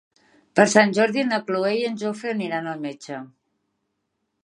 Per Sant Jordi na Cloè i en Jofre aniran al metge.